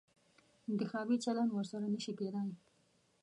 انتخابي چلند ورسره نه شي کېدای.